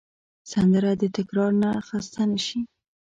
سندره د تکرار نه خسته نه شي